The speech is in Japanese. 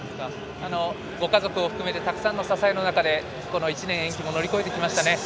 ご家族も含めてたくさんの支えの中で、この１年延期を乗り越えてきましたね。